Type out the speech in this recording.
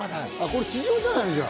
これ地上じゃない？